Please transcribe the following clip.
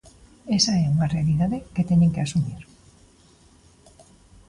Esa é unha realidade que teñen que asumir.